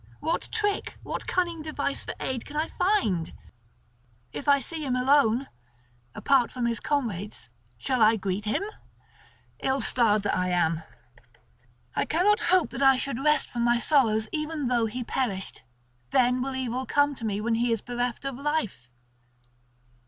What trick, what cunning device for aid can I find? If I see him alone, apart from his comrades, shall I greet him? Ill starred that I am! I cannot hope that I should rest from my sorrows even though he perished; then will evil come to me when he is bereft of life.